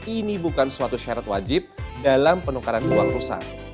ini bukan suatu syarat wajib dalam penukaran uang rusak